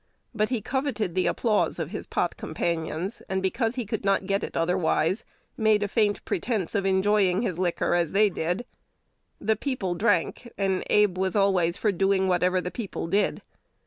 But he coveted the applause of his pot companions, and, because he could not get it otherwise, made a faint pretence of enjoying his liquor as they did. The "people" drank, and Abe was always for doing whatever the "people" did.